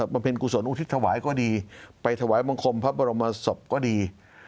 เพลงกุศลอุทิศถวายก็ดีไปถวายบังคมพระบรมศพก็ดี